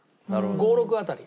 ５６あたり。